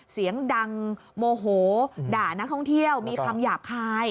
เสียงดังโมโหด่านักท่องเที่ยวมีคำหยาบคาย